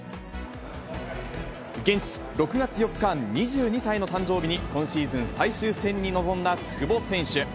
現地、６月４日、２２歳の誕生日に、今シーズン最終戦に臨んだ久保選手。